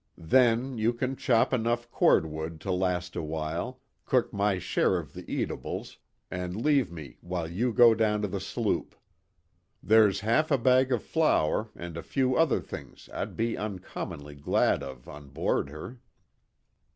Then you can chop enough cord wood to last a while, cook my share of the eatables, and leave me while you go down to the sloop. There's half a bag of flour and a few other things I'd be uncommonly glad of on board her."